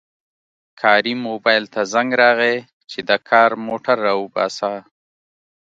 کاري موبایل ته زنګ راغی چې د کار موټر راوباسه